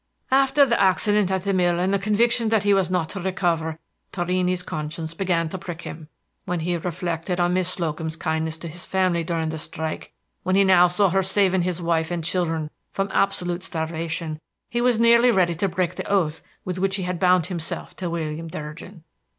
"After the accident at the mill and the conviction that he was not to recover, Torrini's conscience began to prick him. When he reflected on Miss Slocum's kindness to his family during the strike, when he now saw her saving his wife and children from absolute starvation, he was nearly ready to break the oath with which he had bound himself to William Durgin.